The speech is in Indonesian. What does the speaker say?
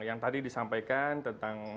yang tadi disampaikan tentang